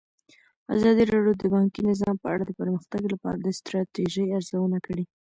ازادي راډیو د بانکي نظام په اړه د پرمختګ لپاره د ستراتیژۍ ارزونه کړې.